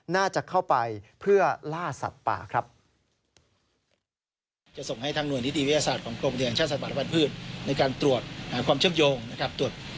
น่าจะเข้าไปเพื่อล่าสัตว์ป่าครับ